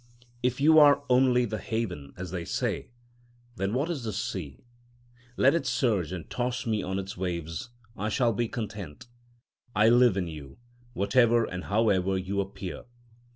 If you are only the haven, as they say, then what is the sea? Let it surge and toss me on its waves, I shall be content. I live in you, whatever and however you appear.